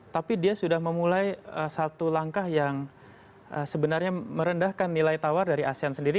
tapi dia sudah memulai satu langkah yang sebenarnya merendahkan nilai tawar dari asean sendiri